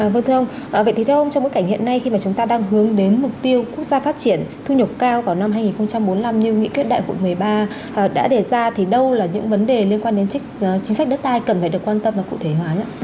vâng thưa ông vậy thì thưa ông trong bối cảnh hiện nay khi mà chúng ta đang hướng đến mục tiêu quốc gia phát triển thu nhập cao vào năm hai nghìn bốn mươi năm như nghị quyết đại hội một mươi ba đã đề ra thì đâu là những vấn đề liên quan đến chính sách đất đai cần phải được quan tâm và cụ thể hóa